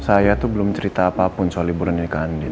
saya tuh belum cerita apapun soal liburan ini kan